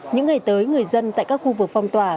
những ngày tới người dân tại các khu vực phong tỏa